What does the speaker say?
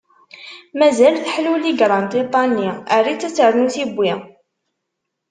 Mazal teḥluli granṭiṭa-nni, err-itt ad ternu tiwwi.